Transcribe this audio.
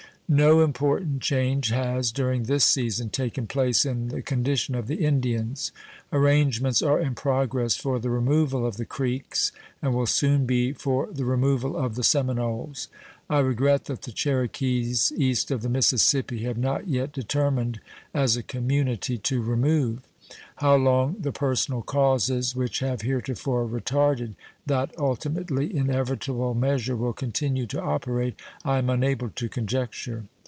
No important change has during this season taken place in the condition of the Indians. Arrangements are in progress for the removal of the Creeks, and will soon be for the removal of the Seminoles. I regret that the Cherokees east of the Mississippi have not yet determined as a community to remove. How long the personal causes which have heretofore retarded that ultimately inevitable measure will continue to operate I am unable to conjecture.